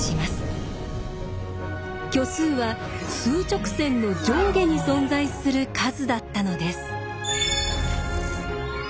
虚数は数直線の上下に存在する数だったのです。